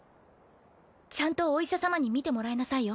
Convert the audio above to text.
ちゃんとお医者さまに診てもらいなさいよ。